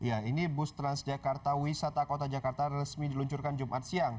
ya ini bus transjakarta wisata kota jakarta resmi diluncurkan jumat siang